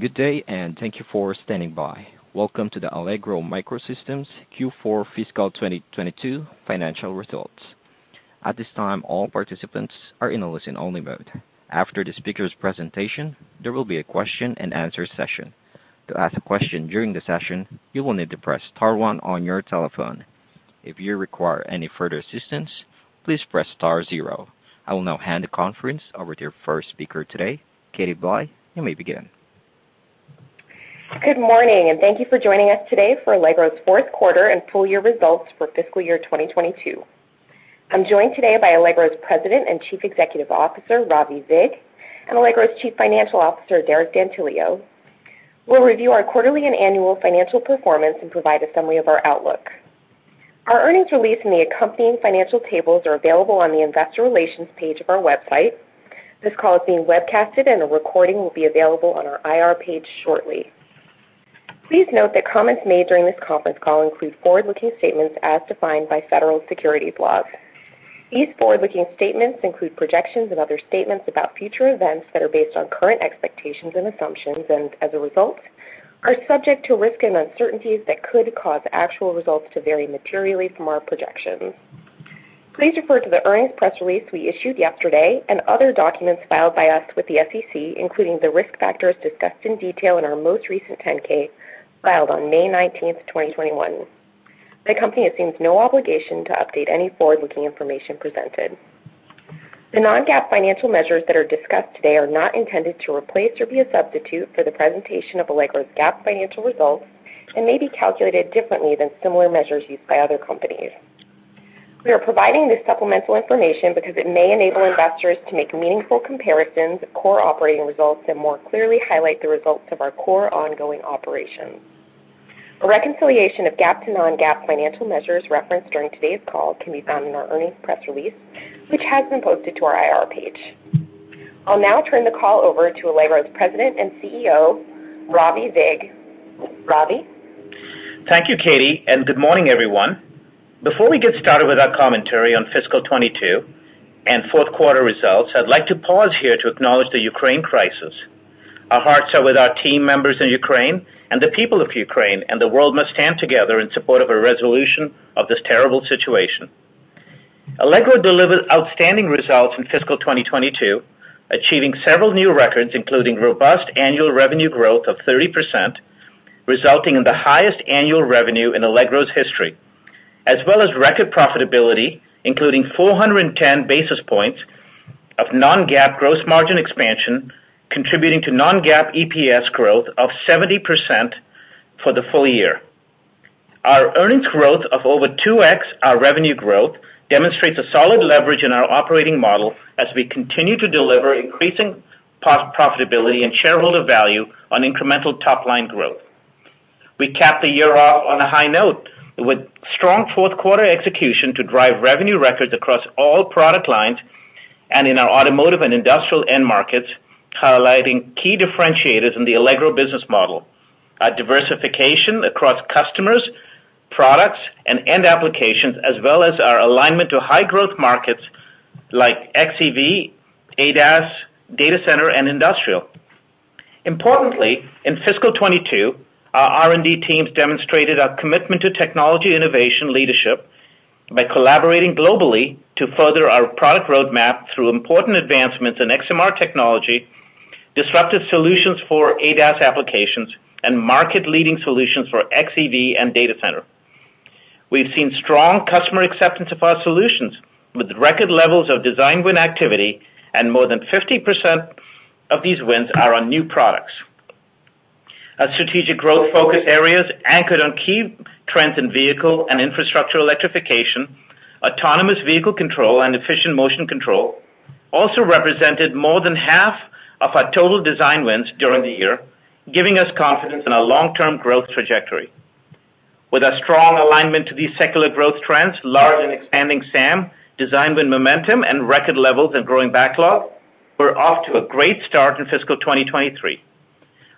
Good day, and thank you for standing by. Welcome to the Allegro MicroSystems Q4 fiscal 2022 financial results. At this time, all participants are in a listen-only mode. After the speaker's presentation, there will be a question-and-answer session. To ask a question during the session, you will need to press star one on your telephone. If you require any further assistance, please press star zero. I will now hand the conference over to your first speaker today, Katie Blye. You may begin. Good morning, and thank you for joining us today for Allegro's fourth quarter and full year results for fiscal year 2022. I'm joined today by Allegro's President and Chief Executive Officer, Ravi Vig, and Allegro's Chief Financial Officer, Derek D'Antilio. We'll review our quarterly and annual financial performance and provide a summary of our outlook. Our earnings release and the accompanying financial tables are available on the investor relations page of our website. This call is being webcast and a recording will be available on our IR page shortly. Please note that comments made during this conference call include forward-looking statements as defined by federal securities laws. These forward-looking statements include projections and other statements about future events that are based on current expectations and assumptions, and as a result, are subject to risk and uncertainties that could cause actual results to vary materially from our projections. Please refer to the earnings press release we issued yesterday and other documents filed by us with the SEC, including the risk factors discussed in detail in our most recent 10-K, filed on May 19, 2021. The company assumes no obligation to update any forward-looking information presented. The non-GAAP financial measures that are discussed today are not intended to replace or be a substitute for the presentation of Allegro's GAAP financial results and may be calculated differently than similar measures used by other companies. We are providing this supplemental information because it may enable investors to make meaningful comparisons of core operating results and more clearly highlight the results of our core ongoing operations. A reconciliation of GAAP to non-GAAP financial measures referenced during today's call can be found in our earnings press release, which has been posted to our IR page. I'll now turn the call over to Allegro's President and CEO, Ravi Vig. Ravi? Thank you, Katie, and good morning, everyone. Before we get started with our commentary on fiscal 2022 and fourth quarter results, I'd like to pause here to acknowledge the Ukraine crisis. Our hearts are with our team members in Ukraine and the people of Ukraine, and the world must stand together in support of a resolution of this terrible situation. Allegro delivered outstanding results in fiscal 2022, achieving several new records, including robust annual revenue growth of 30%, resulting in the highest annual revenue in Allegro's history, as well as record profitability, including 410 basis points of non-GAAP gross margin expansion, contributing to non-GAAP EPS growth of 70% for the full year. Our earnings growth of over 2x our revenue growth demonstrates a solid leverage in our operating model as we continue to deliver increasing profitability and shareholder value on incremental top-line growth. We capped the year off on a high note with strong fourth quarter execution to drive revenue records across all product lines and in our automotive and industrial end markets, highlighting key differentiators in the Allegro business model. Our diversification across customers, products, and end applications, as well as our alignment to high growth markets like XEV, ADAS, data center, and industrial. Importantly, in fiscal 2022, our R&D teams demonstrated a commitment to technology innovation leadership by collaborating globally to further our product roadmap through important advancements in XMR technology, disruptive solutions for ADAS applications, and market-leading solutions for XEV and data center. We've seen strong customer acceptance of our solutions with record levels of design win activity and more than 50% of these wins are on new products. Our strategic growth focus areas anchored on key trends in vehicle and infrastructure electrification, autonomous vehicle control, and efficient motion control also represented more than half of our total design wins during the year, giving us confidence in our long-term growth trajectory. With our strong alignment to these secular growth trends, large and expanding SAM, design win momentum, and record levels in growing backlog, we're off to a great start in fiscal 2023.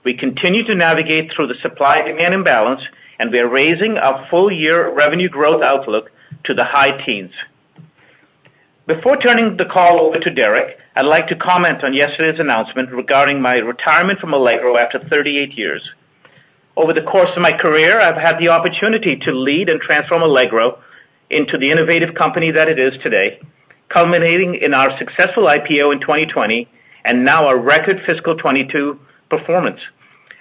We continue to navigate through the supply-demand imbalance, and we are raising our full year revenue growth outlook to the high teens. Before turning the call over to Derek, I'd like to comment on yesterday's announcement regarding my retirement from Allegro after 38 years. Over the course of my career, I've had the opportunity to lead and transform Allegro into the innovative company that it is today, culminating in our successful IPO in 2020 and now our record fiscal 2022 performance.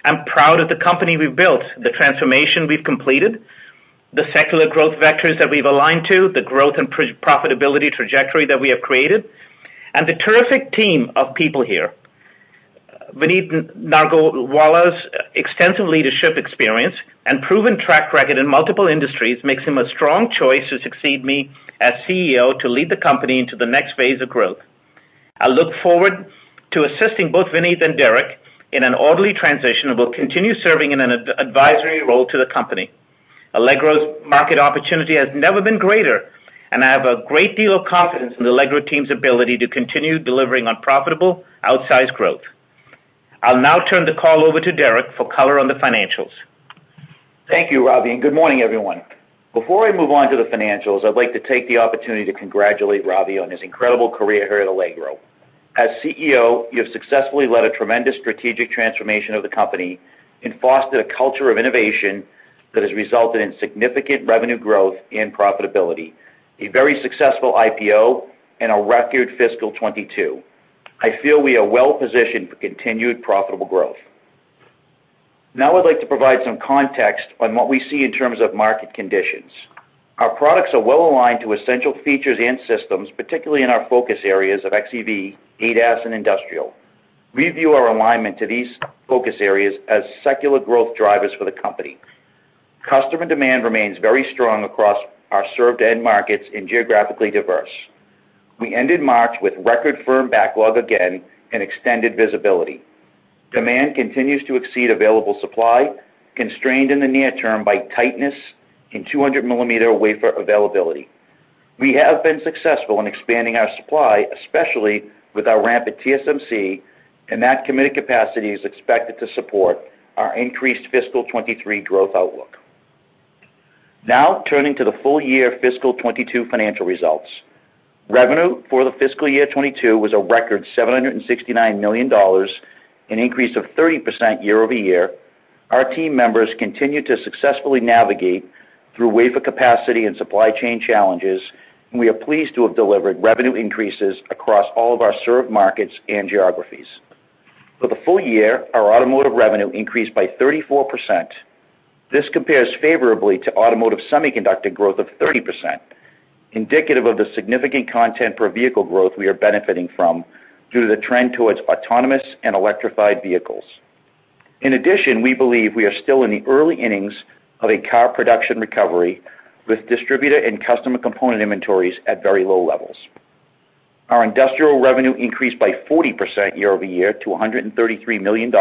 I'm proud of the company we've built, the transformation we've completed, the secular growth vectors that we've aligned to, the growth and profitability trajectory that we have created, and the terrific team of people here. Vineet Nargolwala's extensive leadership experience and proven track record in multiple industries makes him a strong choice to succeed me as CEO to lead the company into the next phase of growth. I look forward to assisting both Vineet and Derek in an orderly transition and will continue serving in an advisory role to the company. Allegro's market opportunity has never been greater, and I have a great deal of confidence in the Allegro team's ability to continue delivering on profitable, outsized growth. I'll now turn the call over to Derek for color on the financials. Thank you, Ravi, and good morning, everyone. Before I move on to the financials, I'd like to take the opportunity to congratulate Ravi on his incredible career here at Allegro. As CEO, you have successfully led a tremendous strategic transformation of the company and fostered a culture of innovation that has resulted in significant revenue growth and profitability, a very successful IPO, and a record fiscal 2022. I feel we are well-positioned for continued profitable growth. Now, I'd like to provide some context on what we see in terms of market conditions. Our products are well-aligned to essential features and systems, particularly in our focus areas of XEV, ADAS, and industrial. We view our alignment to these focus areas as secular growth drivers for the company. Customer demand remains very strong across our served end markets and geographically diverse. We ended March with record firm backlog again and extended visibility. Demand continues to exceed available supply, constrained in the near term by tightness in 200-millimeter wafer availability. We have been successful in expanding our supply, especially with our ramp at TSMC, and that committed capacity is expected to support our increased fiscal 2023 growth outlook. Now, turning to the full-year fiscal 2022 financial results. Revenue for the fiscal year 2022 was a record $769 million, an increase of 30% year-over-year. Our team members continued to successfully navigate through wafer capacity and supply chain challenges, and we are pleased to have delivered revenue increases across all of our served markets and geographies. For the full year, our automotive revenue increased by 34%. This compares favorably to automotive semiconductor growth of 30%, indicative of the significant content per vehicle growth we are benefiting from due to the trend towards autonomous and electrified vehicles. In addition, we believe we are still in the early innings of a car production recovery with distributor and customer component inventories at very low levels. Our industrial revenue increased by 40% year-over-year to $133 million,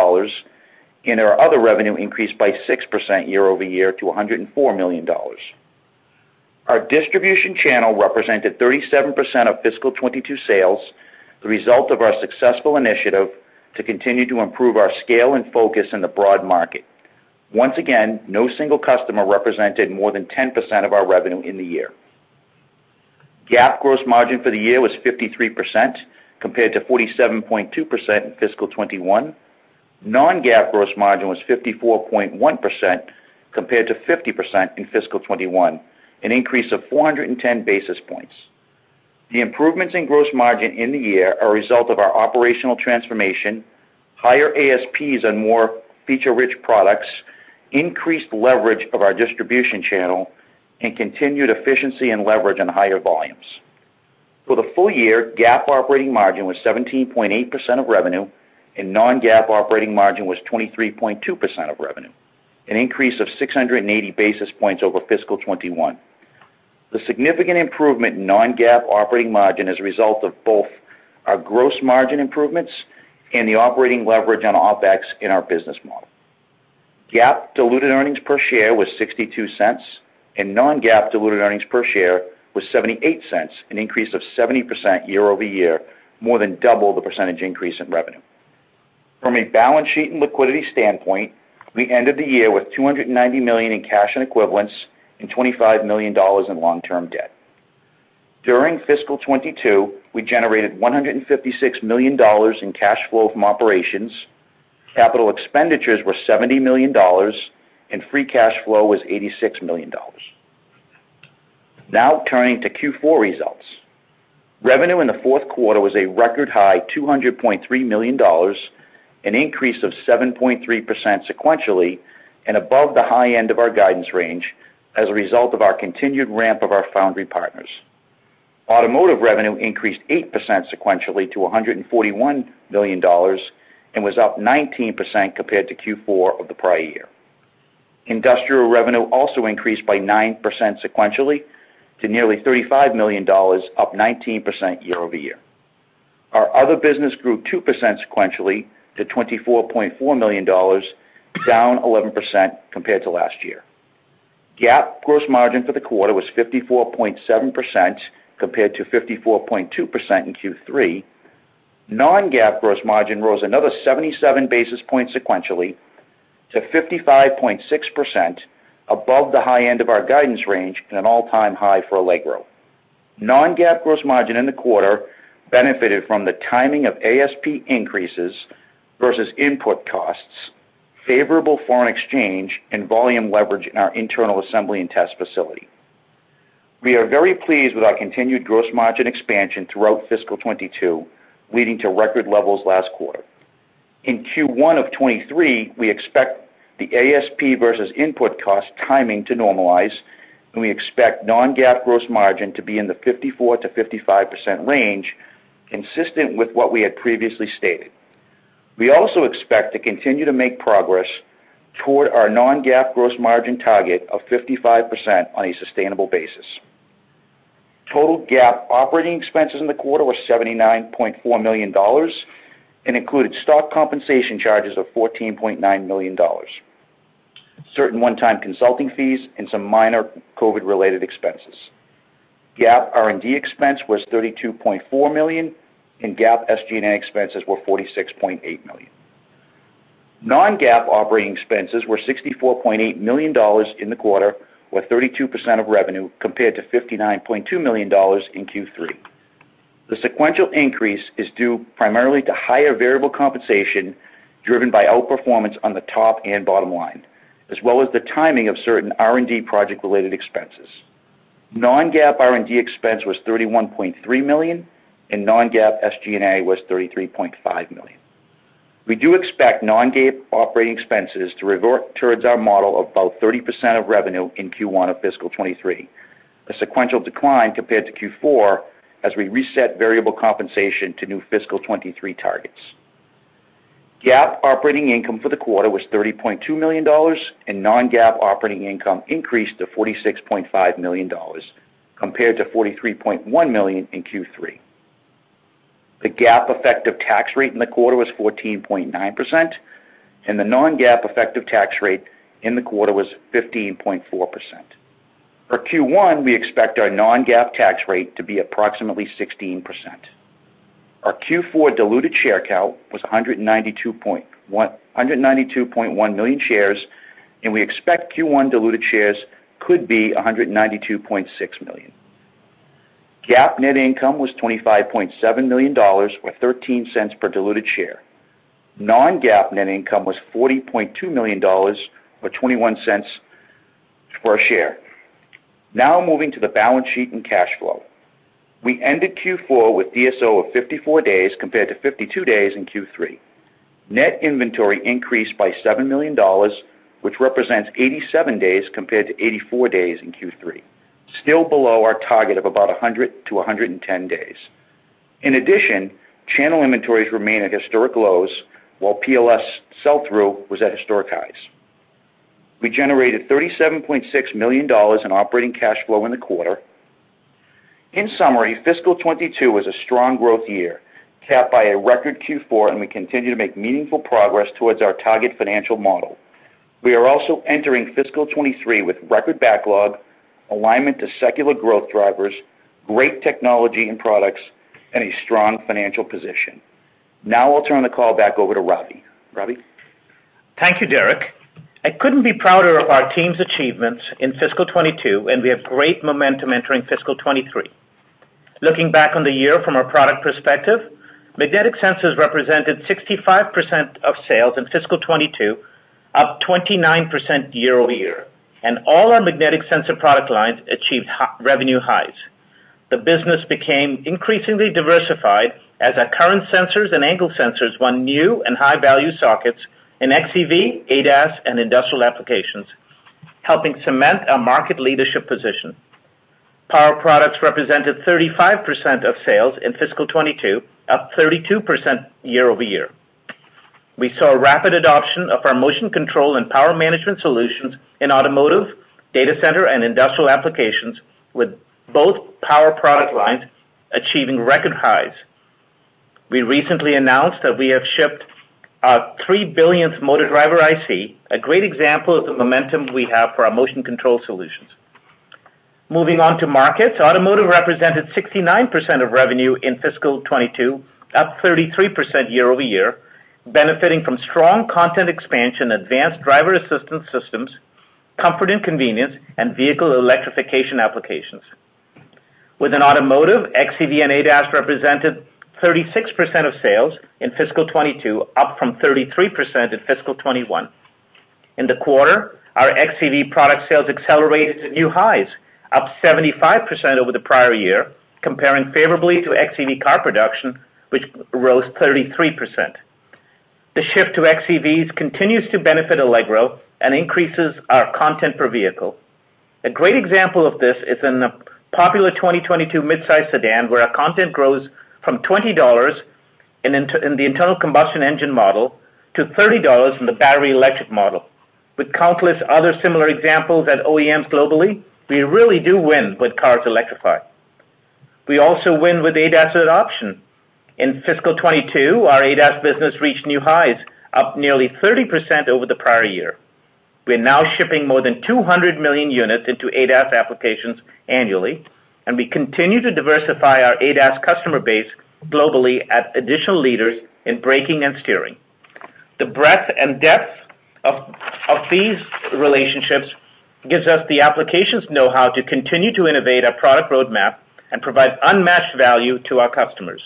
and our other revenue increased by 6% year-over-year to $104 million. Our distribution channel represented 37% of fiscal 2022 sales, the result of our successful initiative to continue to improve our scale and focus in the broad market. Once again, no single customer represented more than 10% of our revenue in the year. GAAP gross margin for the year was 53% compared to 47.2% in fiscal 2021. Non-GAAP gross margin was 54.1% compared to 50% in fiscal 2021, an increase of 410 basis points. The improvements in gross margin in the year are a result of our operational transformation, higher ASPs on more feature-rich products, increased leverage of our distribution channel, and continued efficiency and leverage on higher volumes. For the full year, GAAP operating margin was 17.8% of revenue, and non-GAAP operating margin was 23.2% of revenue, an increase of 680 basis points over fiscal 2021. The significant improvement in non-GAAP operating margin is a result of both our gross margin improvements and the operating leverage on OpEx in our business model. GAAP diluted earnings per share was $0.62, and non-GAAP diluted earnings per share was $0.78, an increase of 70% year-over-year, more than double the percentage increase in revenue. From a balance sheet and liquidity standpoint, we ended the year with $290 million in cash and equivalents and $25 million in long-term debt. During fiscal 2022, we generated $156 million in cash flow from operations. Capital expenditures were $70 million, and free cash flow was $86 million. Now, turning to Q4 results. Revenue in the fourth quarter was a record high $200.3 million, an increase of 7.3% sequentially, and above the high end of our guidance range as a result of our continued ramp of our foundry partners. Automotive revenue increased 8% sequentially to $141 million and was up 19% compared to Q4 of the prior year. Industrial revenue also increased by 9% sequentially to nearly $35 million, up 19% year-over-year. Our other business grew 2% sequentially to $24.4 million, down 11% compared to last year. GAAP gross margin for the quarter was 54.7% compared to 54.2% in Q3. Non-GAAP gross margin rose another 77 basis points sequentially to 55.6% above the high end of our guidance range and an all-time high for Allegro. Non-GAAP gross margin in the quarter benefited from the timing of ASP increases versus input costs, favorable foreign exchange, and volume leverage in our internal assembly and test facility. We are very pleased with our continued gross margin expansion throughout fiscal 2022, leading to record levels last quarter. In Q1 of 2023, we expect the ASP versus input cost timing to normalize, and we expect non-GAAP gross margin to be in the 54%-55% range, consistent with what we had previously stated. We also expect to continue to make progress toward our non-GAAP gross margin target of 55% on a sustainable basis. Total GAAP operating expenses in the quarter were $79.4 million and included stock compensation charges of $14.9 million, certain one-time consulting fees, and some minor COVID-related expenses. GAAP R&D expense was $32.4 million, and GAAP SG&A expenses were $46.8 million. Non-GAAP operating expenses were $64.8 million in the quarter, or 32% of revenue, compared to $59.2 million in Q3. The sequential increase is due primarily to higher variable compensation, driven by outperformance on the top and bottom line, as well as the timing of certain R&D project related expenses. Non-GAAP R&D expense was $31.3 million, and non-GAAP SG&A was $33.5 million. We do expect non-GAAP operating expenses to revert towards our model of about 30% of revenue in Q1 of fiscal 2023. A sequential decline compared to Q4 as we reset variable compensation to new fiscal 2023 targets. GAAP operating income for the quarter was $30.2 million, and non-GAAP operating income increased to $46.5 million compared to $43.1 million in Q3. The GAAP effective tax rate in the quarter was 14.9%, and the non-GAAP effective tax rate in the quarter was 15.4%. For Q1, we expect our non-GAAP tax rate to be approximately 16%. Our Q4 diluted share count was 192.1 million shares, and we expect Q1 diluted shares could be 192.6 million. GAAP net income was $25.7 million, or 13 cents per diluted share. Non-GAAP net income was $40.2 million, or 21 cents per share. Now moving to the balance sheet and cash flow. We ended Q4 with DSO of 54 days compared to 52 days in Q3. Net inventory increased by $7 million, which represents 87 days compared to 84 days in Q3. Still below our target of about 100-110 days. In addition, channel inventories remain at historic lows while POS sell-through was at historic highs. We generated $37.6 million in operating cash flow in the quarter. In summary, fiscal 2022 was a strong growth year, capped by a record Q4, and we continue to make meaningful progress towards our target financial model. We are also entering fiscal 2023 with record backlog, alignment to secular growth drivers, great technology and products, and a strong financial position. Now I'll turn the call back over to Ravi. Ravi? Thank you, Derek. I couldn't be prouder of our team's achievements in fiscal 2022, and we have great momentum entering fiscal 2023. Looking back on the year from a product perspective, magnetic sensors represented 65% of sales in fiscal 2022, up 29% year-over-year, and all our magnetic sensor product lines achieved high revenue highs. The business became increasingly diversified as our current sensors and angle sensors won new and high-value sockets in XEV, ADAS, and industrial applications, helping cement our market leadership position. Power products represented 35% of sales in fiscal 2022, up 32% year-over-year. We saw rapid adoption of our motion control and power management solutions in automotive, data center, and industrial applications, with both power product lines achieving record highs. We recently announced that we have shipped our 3 billionth motor driver IC, a great example of the momentum we have for our motion control solutions. Moving on to markets. Automotive represented 69% of revenue in fiscal 2022, up 33% year over year, benefiting from strong content expansion, advanced driver assistance systems, comfort and convenience, and vehicle electrification applications. Within automotive, xEV and ADAS represented 36% of sales in fiscal 2022, up from 33% in fiscal 2021. In the quarter, our xEV product sales accelerated to new highs, up 75% over the prior year, comparing favorably to xEV car production, which rose 33%. The shift to xEVs continues to benefit Allegro and increases our content per vehicle. A great example of this is in the popular 2022 mid-size sedan, where our content grows from $20 in the internal combustion engine model to $30 in the battery electric model. With countless other similar examples at OEMs globally, we really do win when cars electrify. We also win with ADAS adoption. In fiscal 2022, our ADAS business reached new highs, up nearly 30% over the prior year. We are now shipping more than 200 million units into ADAS applications annually, and we continue to diversify our ADAS customer base globally at additional leaders in braking and steering. The breadth and depth of these relationships gives us the applications know-how to continue to innovate our product roadmap and provide unmatched value to our customers.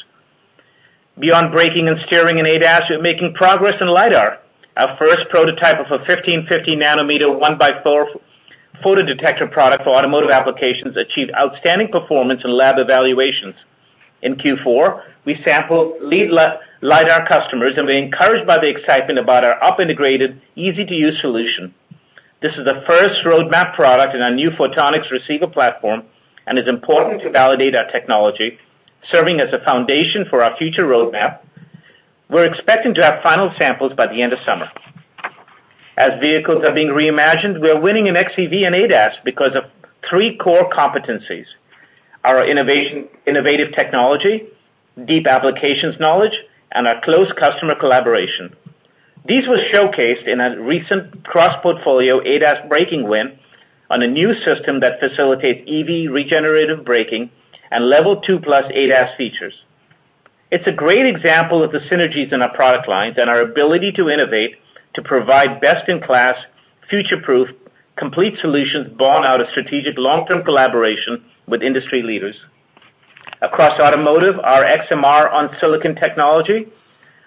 Beyond braking and steering and ADAS, we're making progress in lidar. Our first prototype of a 1550-nanometer 1x4 photodetector product for automotive applications achieved outstanding performance in lab evaluations. In Q4, we sampled lead LiDAR customers, and we were encouraged by the excitement about our up-integrated, easy-to-use solution. This is the first roadmap product in our new photonics receiver platform and is important to validate our technology, serving as a foundation for our future roadmap. We're expecting to have final samples by the end of summer. As vehicles are being reimagined, we are winning in xEV and ADAS because of three core competencies, innovative technology, deep applications knowledge, and our close customer collaboration. These were showcased in a recent cross-portfolio ADAS braking win on a new system that facilitates EV regenerative braking and level 2+ ADAS features. It's a great example of the synergies in our product lines and our ability to innovate to provide best in class, future-proof, complete solutions borne out of strategic long-term collaboration with industry leaders. Across automotive, our XMR on silicon technology,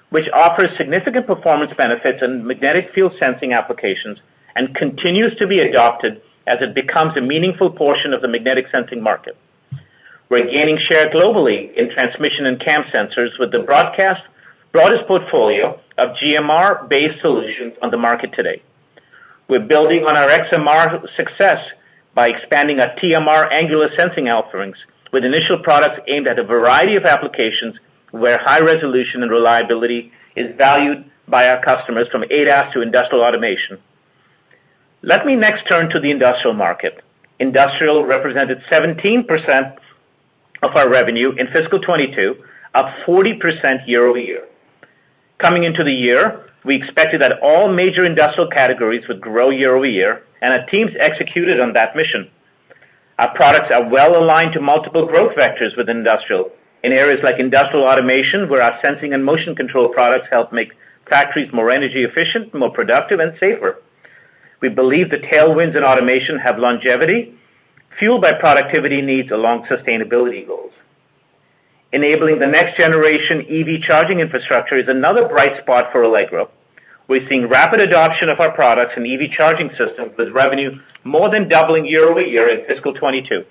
which offers significant performance benefits in magnetic field sensing applications and continues to be adopted as it becomes a meaningful portion of the magnetic sensing market. We're gaining share globally in transmission and cam sensors with the broadest portfolio of GMR-based solutions on the market today. We're building on our XMR success by expanding our TMR angular sensing offerings with initial products aimed at a variety of applications where high resolution and reliability is valued by our customers from ADAS to industrial automation. Let me next turn to the industrial market. Industrial represented 17% of our revenue in fiscal 2022, up 40% year-over-year. Coming into the year, we expected that all major industrial categories would grow year over year, and our teams executed on that mission. Our products are well aligned to multiple growth vectors within industrial, in areas like industrial automation, where our sensing and motion control products help make factories more energy efficient, more productive and safer. We believe the tailwinds in automation have longevity, fueled by productivity needs along sustainability goals. Enabling the next generation EV charging infrastructure is another bright spot for Allegro. We're seeing rapid adoption of our products in EV charging systems, with revenue more than doubling year over year in fiscal 2022.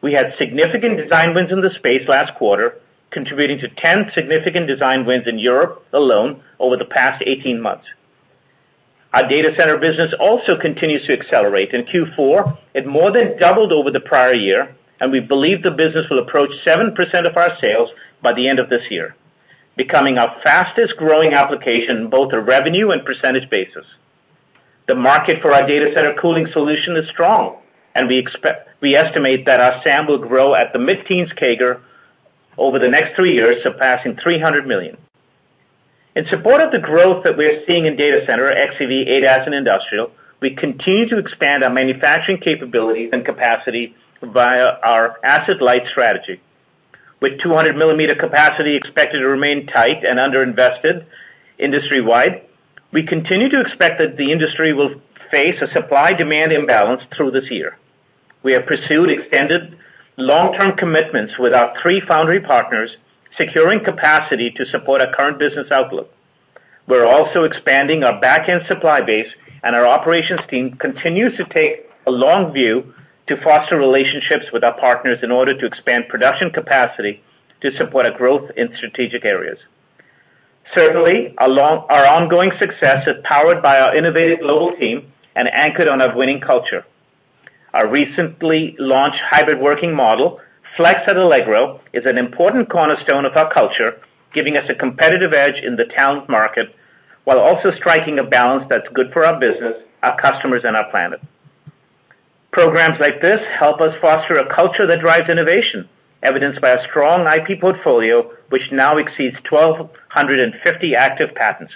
We had significant design wins in the space last quarter, contributing to 10 significant design wins in Europe alone over the past 18 months. Our data center business also continues to accelerate. In Q4, it more than doubled over the prior year, and we believe the business will approach 7% of our sales by the end of this year, becoming our fastest-growing application in both a revenue and percentage basis. The market for our data center cooling solution is strong, and we estimate that our SAM will grow at the mid-teens CAGR over the next three years, surpassing $300 million. In support of the growth that we are seeing in data center, XEV, ADAS, and industrial, we continue to expand our manufacturing capabilities and capacity via our asset-light strategy. With 200 mm capacity expected to remain tight and underinvested industry-wide, we continue to expect that the industry will face a supply-demand imbalance through this year. We have pursued extended long-term commitments with our three foundry partners, securing capacity to support our current business outlook. We're also expanding our back-end supply base, and our operations team continues to take a long view to foster relationships with our partners in order to expand production capacity to support our growth in strategic areas. Certainly, our ongoing success is powered by our innovative global team and anchored on our winning culture. Our recently launched hybrid working model, Flex at Allegro, is an important cornerstone of our culture, giving us a competitive edge in the talent market while also striking a balance that's good for our business, our customers, and our planet. Programs like this help us foster a culture that drives innovation, evidenced by a strong IP portfolio, which now exceeds 1,250 active patents.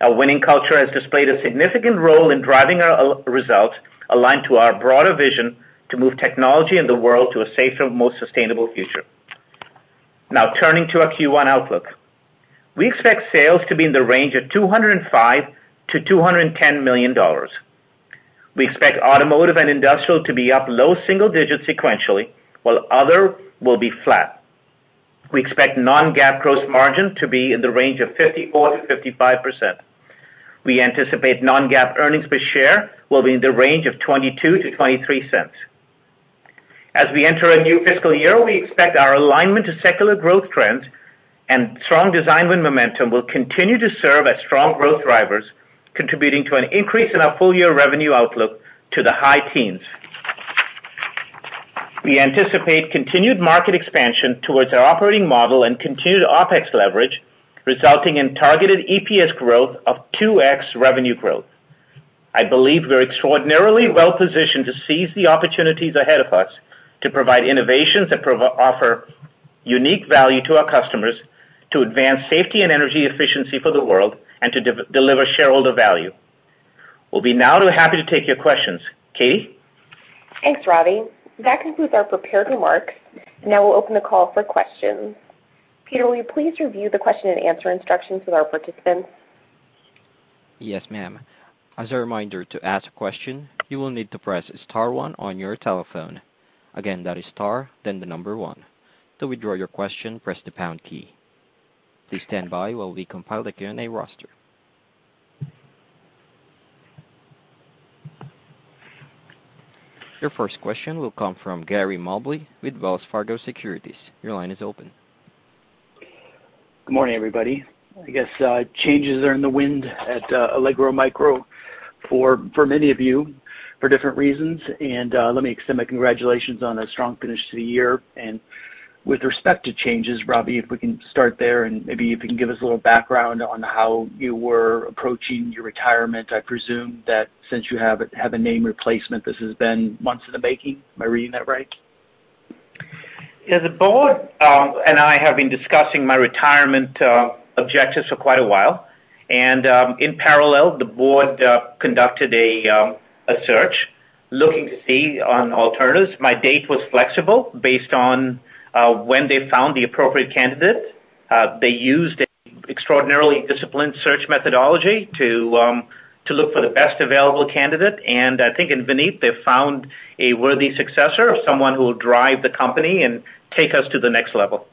Our winning culture has displayed a significant role in driving our results aligned to our broader vision to move technology and the world to a safer, more sustainable future. Now turning to our Q1 outlook. We expect sales to be in the range of $205 million-$210 million. We expect automotive and industrial to be up low single digits sequentially, while other will be flat. We expect non-GAAP gross margin to be in the range of 54%-55%. We anticipate non-GAAP earnings per share will be in the range of $0.22-$0.23. As we enter a new fiscal year, we expect our alignment to secular growth trends and strong design win momentum will continue to serve as strong growth drivers, contributing to an increase in our full-year revenue outlook to the high teens. We anticipate continued market expansion towards our operating model and continued OpEx leverage, resulting in targeted EPS growth of 2x revenue growth. I believe we're extraordinarily well positioned to seize the opportunities ahead of us to provide innovations that offer unique value to our customers, to advance safety and energy efficiency for the world, and to deliver shareholder value. We'll be now happy to take your questions. Katie Blye? Thanks, Ravi. That concludes our prepared remarks. Now we'll open the call for questions. Peter, will you please review the question and answer instructions with our participants? Yes, ma'am. As a reminder to ask a question, you will need to press star one on your telephone. Again, that is star, then the number one. To withdraw your question, press the pound key. Please stand by while we compile the Q&A roster. Your first question will come from Gary Mobley with Wells Fargo Securities. Your line is open. Good morning, everybody. I guess, changes are in the wind at Allegro MicroSystems for many of you for different reasons. Let me extend my congratulations on a strong finish to the year. With respect to changes, Ravi, if we can start there, and maybe if you can give us a little background on how you were approaching your retirement. I presume that since you have a name replacement, this has been months in the making. Am I reading that right? Yeah, the board and I have been discussing my retirement objectives for quite a while. In parallel, the board conducted a search looking for alternatives. My date was flexible based on when they found the appropriate candidate. They used an extraordinarily disciplined search methodology to look for the best available candidate. I think in Vineet, they found a worthy successor, someone who will drive the company and take us to the next level.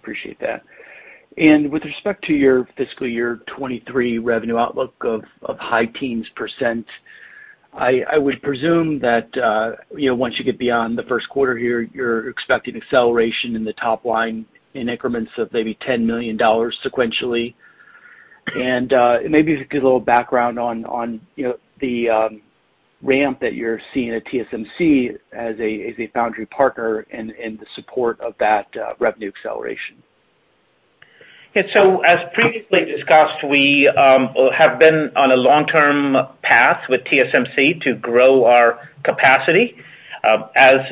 Appreciate that. With respect to your fiscal year 2023 revenue outlook of high teens%, I would presume that, you know, once you get beyond the first quarter here, you're expecting acceleration in the top line in increments of maybe $10 million sequentially. Maybe if you could give a little background on, you know, the ramp that you're seeing at TSMC as a foundry partner and the support of that revenue acceleration. Yeah. As previously discussed, we have been on a long-term path with TSMC to grow our capacity. As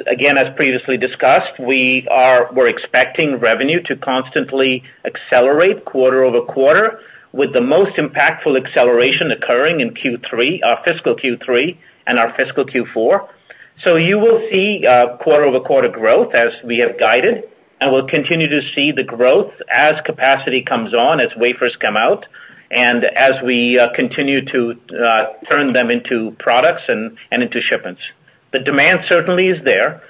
previously discussed, we are expecting revenue to consistently accelerate quarter-over-quarter, with the most impactful acceleration occurring in Q3, our fiscal Q3 and our fiscal Q4. You will see quarter-over-quarter growth as we have guided, and we'll continue to see the growth as capacity comes on, as wafers come out, and as we continue to turn them into products and into shipments. The demand certainly is there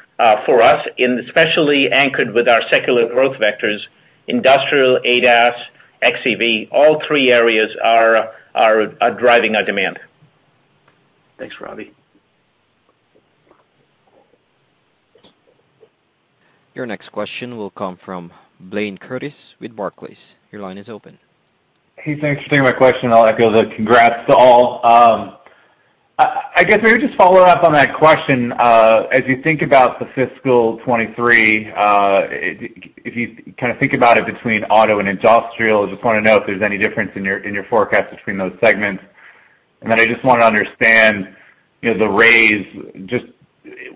for us, and especially anchored with our secular growth vectors, industrial, ADAS, XEV, all three areas are driving our demand. Thanks, Ravi. Your next question will come from Blayne Curtis with Barclays. Your line is open. Hey, thanks for taking my question. I'll echo the congrats to all. I guess maybe just follow up on that question. As you think about the fiscal 2023, if you kind of think about it between auto and industrial, I just wanna know if there's any difference in your forecast between those segments. I just wanna understand, you know, the raise, just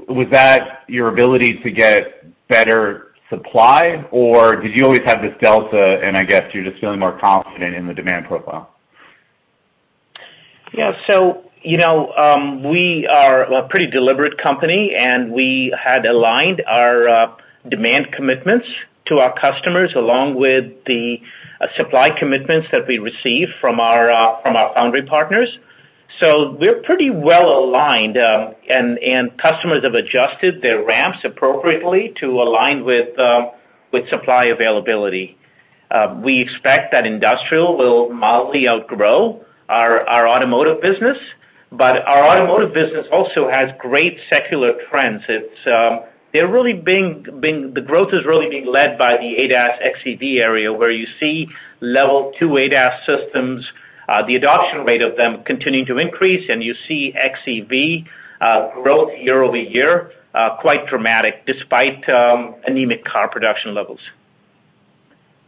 was that your ability to get better supply, or did you always have this delta, and I guess you're just feeling more confident in the demand profile? Yeah. You know, we are a pretty deliberate company, and we had aligned our demand commitments to our customers, along with the supply commitments that we receive from our foundry partners. We're pretty well aligned, and customers have adjusted their ramps appropriately to align with supply availability. We expect that industrial will mildly outgrow our automotive business, but our automotive business also has great secular trends. The growth is really being led by the ADAS XEV area, where you see Level 2 ADAS systems, the adoption rate of them continuing to increase, and you see XEV growth year over year, quite dramatic despite anemic car production levels.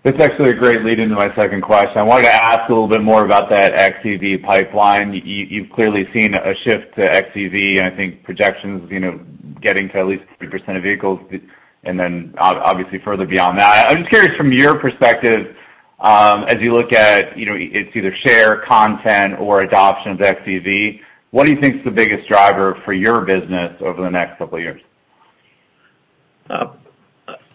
That's actually a great lead into my second question. I wanted to ask a little bit more about that XEV pipeline. You've clearly seen a shift to XEV and I think projections, you know, getting to at least 50% of vehicles and then obviously further beyond that. I'm just curious from your perspective, as you look at, you know, it's either share, content, or adoption of XEV, what do you think is the biggest driver for your business over the next couple of years?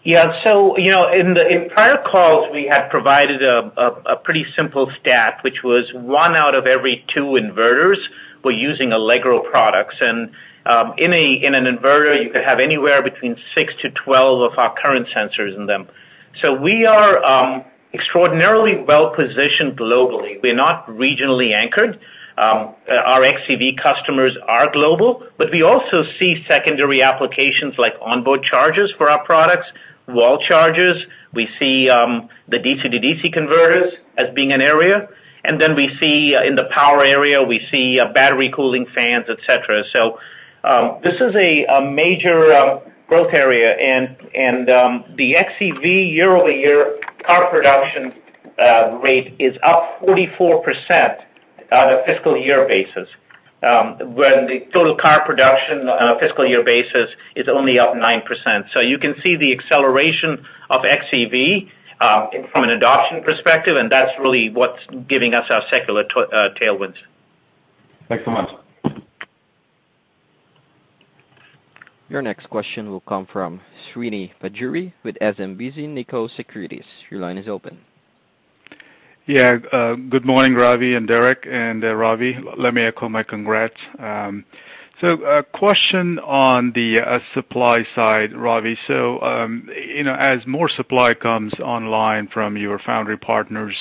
You know, in prior calls, we had provided a pretty simple stat, which was one out of every two inverters were using Allegro products. In an inverter, you could have anywhere between 6-12 of our current sensors in them. We are extraordinarily well positioned globally. We're not regionally anchored. Our XEV customers are global, but we also see secondary applications like onboard chargers for our products, wall chargers. We see the DC-DC converters as being an area. Then we see in the power area, we see battery cooling fans, et cetera. This is a major growth area. The XEV year-over-year car production rate is up 44% on a fiscal year basis, when the total car production on a fiscal year basis is only up 9%. You can see the acceleration of XEV from an adoption perspective, and that's really what's giving us our secular tailwinds. Thanks so much. Your next question will come from Srini Pajjuri with SMBC Nikko Securities. Your line is open. Yeah. Good morning, Ravi and Derek. Ravi, let me echo my congrats. A question on the supply side, Ravi. You know, as more supply comes online from your foundry partners,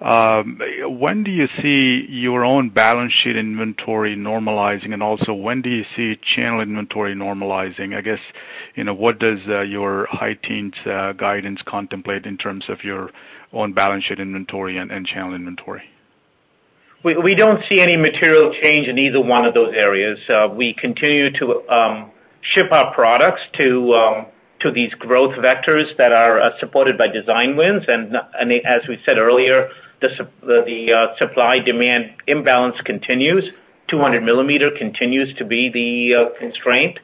when do you see your own balance sheet inventory normalizing? Also, when do you see channel inventory normalizing? I guess, you know, what does your high teens guidance contemplate in terms of your own balance sheet inventory and channel inventory? We don't see any material change in either one of those areas. We continue to ship our products to these growth vectors that are supported by design wins. As we said earlier, the supply-demand imbalance continues. 200-millimeter continues to be the constraint.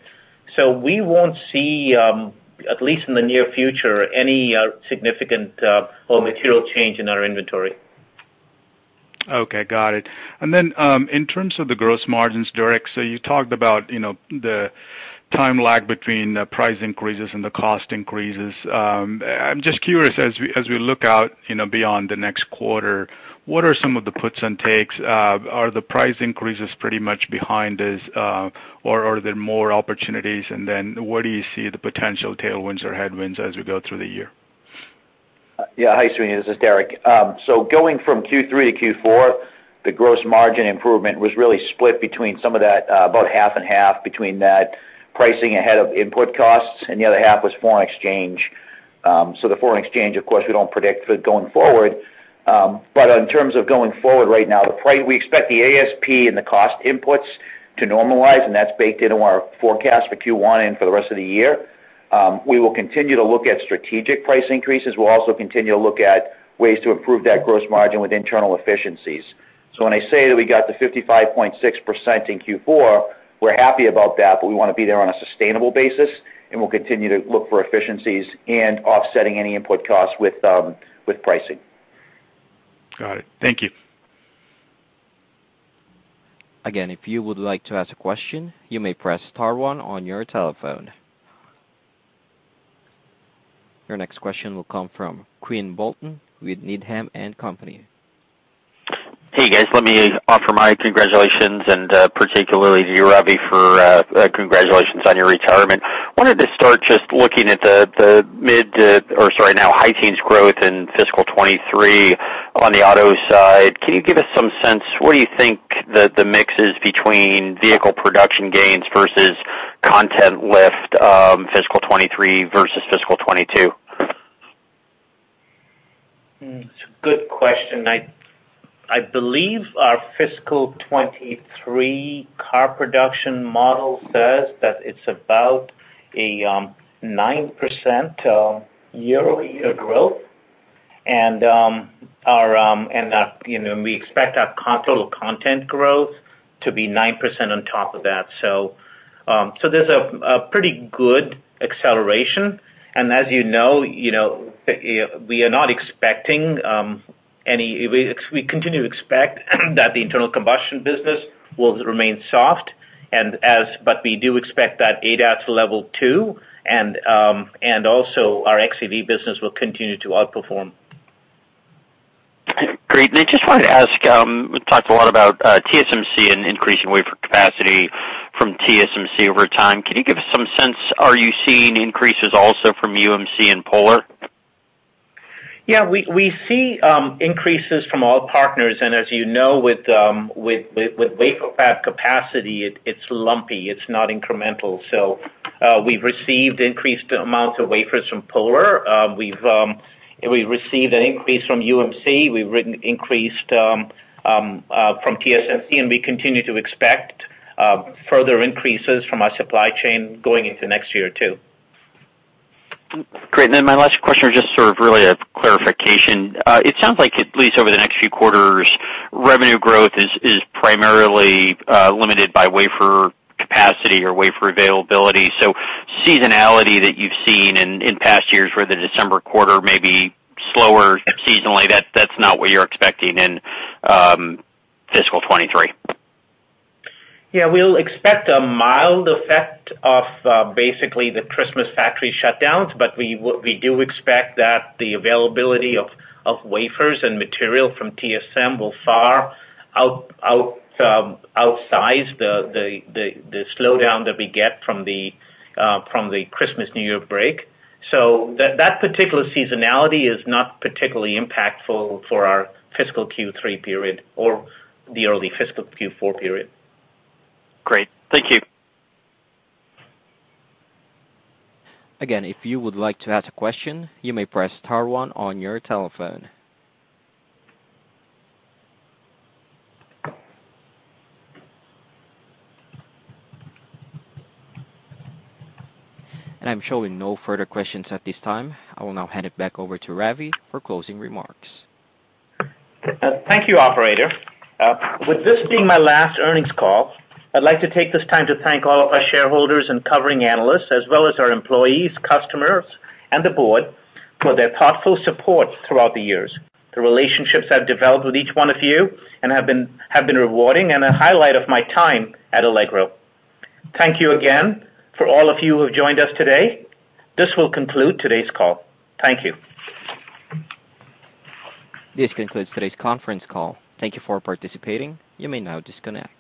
We won't see, at least in the near future, any significant or material change in our inventory. Okay, got it. In terms of the gross margins, Derek, so you talked about, you know, the time lag between the price increases and the cost increases. I'm just curious, as we look out, you know, beyond the next quarter, what are some of the puts and takes? Are the price increases pretty much behind us, or are there more opportunities? Where do you see the potential tailwinds or headwinds as we go through the year? Yeah. Hi, Srini Pajjuri. This is Derek. Going from Q3 to Q4, the gross margin improvement was really split between some of that, about half and half between that pricing ahead of input costs and the other half was foreign exchange. The foreign exchange, of course, we don't predict going forward. In terms of going forward right now, we expect the ASP and the cost inputs to normalize, and that's baked into our forecast for Q1 and for the rest of the year. We will continue to look at strategic price increases. We'll also continue to look at ways to improve that gross margin with internal efficiencies. When I say that we got the 55.6% in Q4, we're happy about that, but we wanna be there on a sustainable basis, and we'll continue to look for efficiencies and offsetting any input costs with pricing. Got it. Thank you. Again, if you would like to ask a question, you may press star one on your telephone. Your next question will come from Quinn Bolton with Needham & Company. Hey, guys. Let me offer my congratulations, particularly to you, Ravi, for congratulations on your retirement. Wanted to start just looking at the high teens growth in fiscal 2023 on the auto side. Can you give us some sense where do you think the mix is between vehicle production gains versus content lift, fiscal 2023 versus fiscal 2022? It's a good question. I believe our fiscal 2023 car production model says that it's about 9% year-over-year growth. You know, we expect our total content growth to be 9% on top of that. There's a pretty good acceleration. As you know, we are not expecting any. We continue to expect that the internal combustion business will remain soft, but we do expect that ADAS Leveland also our XEV business will continue to outperform. Great. I just wanted to ask, we've talked a lot about TSMC and increasing wafer capacity from TSMC over time. Can you give us some sense, are you seeing increases also from UMC and Polar? Yeah. We see increases from all partners, and as you know, with wafer fab capacity, it's lumpy. It's not incremental. So, we've received increased amounts of wafers from Polar. We've received an increase from UMC. We've received increased from TSMC, and we continue to expect further increases from our supply chain going into next year too. Great. My last question is just sort of really a clarification. It sounds like at least over the next few quarters, revenue growth is primarily limited by wafer capacity or wafer availability. Seasonality that you've seen in past years where the December quarter may be slower seasonally, that's not what you're expecting in fiscal 2023. Yeah, we'll expect a mild effect of basically the Christmas factory shutdowns, but we do expect that the availability of wafers and material from TSMC will far outsize the slowdown that we get from the Christmas-New Year break. That particular seasonality is not particularly impactful for our fiscal Q3 period or the early fiscal Q4 period. Great. Thank you. Again, if you would like to ask a question, you may press star one on your telephone. I'm showing no further questions at this time. I will now hand it back over to Ravi for closing remarks. Thank you, operator. With this being my last earnings call, I'd like to take this time to thank all of our shareholders and covering analysts as well as our employees, customers, and the board for their thoughtful support throughout the years. The relationships I've developed with each one of you have been rewarding and a highlight of my time at Allegro. Thank you again for all of you who have joined us today. This will conclude today's call. Thank you. This concludes today's conference call. Thank you for participating. You may now disconnect.